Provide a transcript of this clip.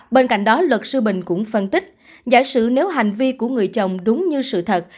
bên cạnh đó luật sư bình cũng phân tích giả sử nếu hành vi của người chồng đúng như sự thật